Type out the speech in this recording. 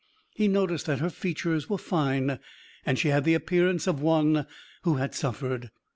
He noticed that her features were fine and she had the appearance of one who had suffered.